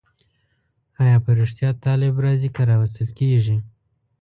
آیا په رښتیا طالب راځي که راوستل کېږي؟